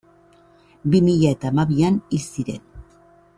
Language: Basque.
Bi mila eta hamabian hil ziren.